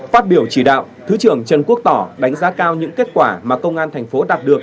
phát biểu chỉ đạo thứ trưởng trần quốc tỏ đánh giá cao những kết quả mà công an thành phố đạt được